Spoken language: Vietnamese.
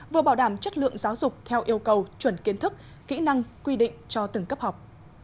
vừa bảo đảm chất lượng giáo dục theo yêu cầu chuẩn kiến thức kỹ năng quy định cho từng cấp học